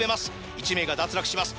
１名が脱落します